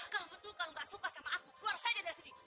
kamu betul kalau nggak suka sama aku keluar saja dari sini